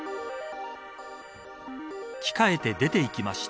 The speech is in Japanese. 着替えて出てきました。